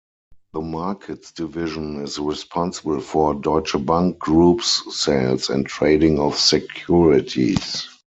The Markets division is responsible for Deutsche Bank Group's sales and trading of securities.